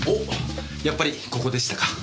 やっぱりここでしたか。